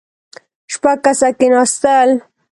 شپږ کسه کېناستل.